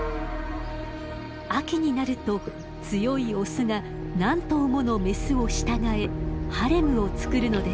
秋になると強いオスが何頭ものメスを従えハレムを作るのです。